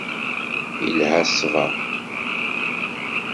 Ilha ṣṣber.